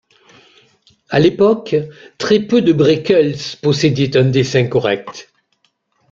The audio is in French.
À l'époque, très peu de braekels possédaient un dessin correct.